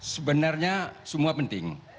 sebenarnya semua penting